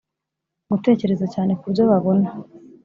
gutekereza cyane kubyo babona